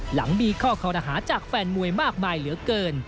หลังมีข้อคอรหาจากแฟนมวยมากมายเหลือเกิน